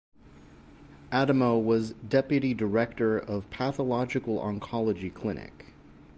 Adamou was Deputy director of Pathological Oncology Clinic.